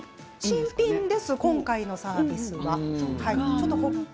新品でした今回のサービスは。